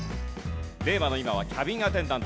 令和の今はキャビンアテンダント。